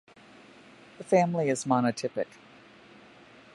The family is monotypic.